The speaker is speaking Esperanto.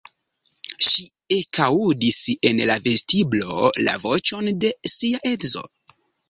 Ŝi ekaŭdis en la vestiblo la voĉon de sia edzo.